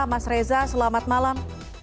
mas reza selamat malam